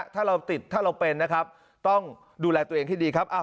ถ้าเราติดถ้าเราเป็นนะครับต้องดูแลตัวเองให้ดีครับ